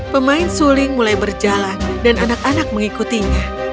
pemain suling mulai berjalan dan anak anak mengikutinya